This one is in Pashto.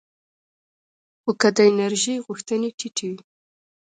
خو که د انرژۍ غوښتنې ټیټې وي